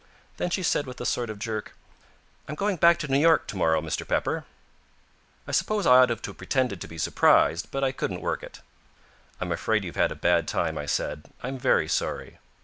Then she said with a sort of jerk: "I'm going back to New York tomorrow, Mr. Pepper." I suppose I ought to have pretended to be surprised, but I couldn't work it. "I'm afraid you've had a bad time," I said. "I'm very sorry."